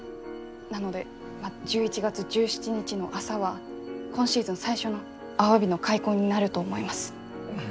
なので１１月１７日の朝は今シーズン最初のアワビの開口になると思います。